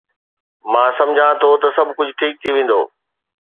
مان سمجهان ٿو ته سڀ ڪجهه ٺيڪ ٿي ويندو